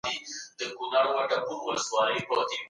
ځینې نقادان چیخوف د لنډې کیسې تر ټولو لوی لیکوال بولي.